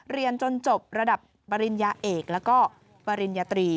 เรียนจนจบระดับปริญญาเอกแล้วก็ปริญญาตรี